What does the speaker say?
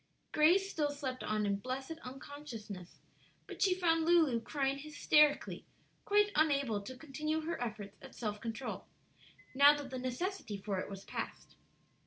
Grace still slept on in blessed unconsciousness; but she found Lulu crying hysterically, quite unable to continue her efforts at self control, now that the necessity for it was past.